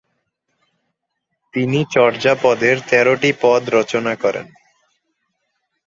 তিনি চর্যাপদের তেরোটি পদ রচনা করেন।